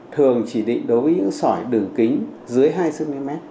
thường chỉ định đối với những sỏi đường kính dưới hai cm